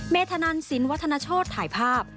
เมธนันสินวัฒนโชธถ่ายภาพ